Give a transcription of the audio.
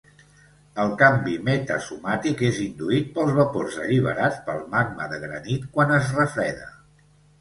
El canvi metasomàtic és induït pels vapors alliberats pel magma de granit quan es refreda.